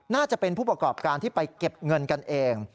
น่าจะเป็นผู้ประกอบการที่ไปเก็บเงินกันเอง